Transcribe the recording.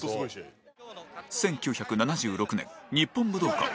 １９７６年日本武道館